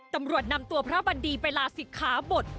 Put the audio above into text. ตำรวจนำตัวพระบันดีไปลาศิกขาบท